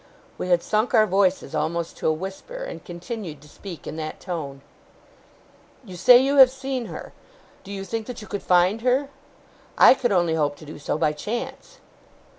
We had sunk our voices, almost to a whisper, and continued to speak in that tone. 'You say you have seen her. Do you think that you could find her? I could only hope to do so by chance.